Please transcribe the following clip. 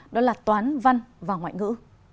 đó là toán văn và ngoại ngữ